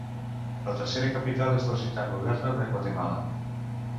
La tercera capital és la ciutat moderna de Guatemala.